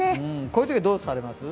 こういうときはどうされます？